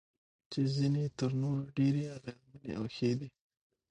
چې ځینې یې تر نورو ډېرې اغیزمنې او ښې دي.